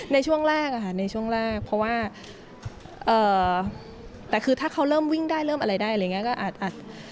ในช่วงแรกในช่วงแรกเพราะว่าแต่คือถ้าเขาเริ่มวิ่งได้เริ่มอะไรได้อะไรอย่างนี้ก็อาจ